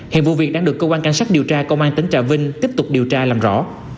hiện vụ việc đang được cơ quan cảnh sát điều tra công an tỉnh trà vinh tiếp tục điều tra làm rõ